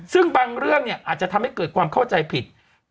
ซึ่งบางเรื่องเนี่ยอาจจะทำให้เกิดความเข้าใจผิด